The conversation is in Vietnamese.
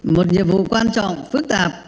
một nhiệm vụ quan trọng phức tạp